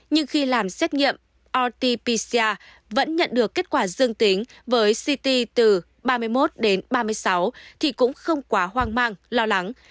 nhưng khi làm xét nghiệm rt pcr vẫn nhận được kết quả dương tính với ct từ ba mươi một đến ba mươi sáu thì cũng không quá hoang mang lo lắng